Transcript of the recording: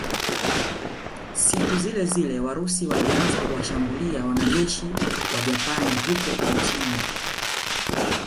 Siku zilezile Warusi walianza kuwashambulia wanajeshi Wajapani huko Uchina